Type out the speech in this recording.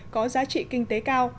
có giá trị kinh tế cao